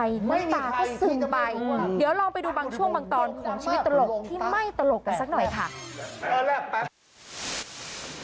ไม่ตาก็ซึมไปเดี๋ยวลองไปดูบางช่วงบางตอนของชีวิตตลกที่ไม่ตลกกันสักหน่อยค่ะ